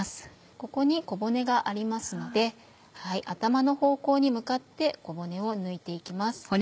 ここに小骨がありますので頭の方向に向かって小骨を抜いて行きます。